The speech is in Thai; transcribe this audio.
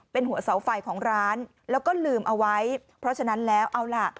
เป็นหัวเสาไฟของร้านแล้วก็ลืมเอาไว้เพราะฉะนั้นแล้วเอาล่ะ